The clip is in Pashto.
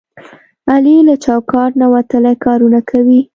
علي له چوکاټ نه وتلي کارونه کوي.